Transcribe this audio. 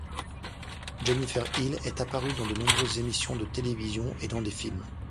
Jennifer Hill est apparue dans de nombreuses émissions de télévision et dans des films.